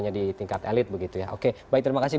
hanya di tingkat elit begitu ya oke baik terima kasih